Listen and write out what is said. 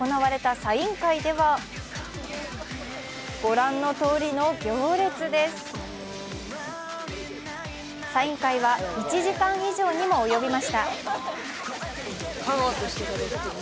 サイン会は１時間以上にも及びました。